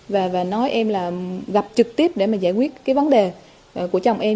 và nói em là gặp trực tiếp để mà giải quyết cái vấn đề của chồng em